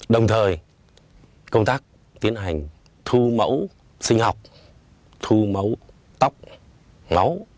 đồng thời công tác tiến hành thu mẫu sinh học thu máu tóc máu